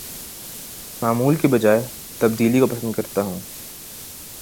معمول کے بجاے تبدیلی کو پسند کرتا ہوں